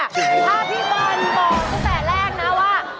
ถ้าพี่บอลบอกตั้งแต่แรกนะว่า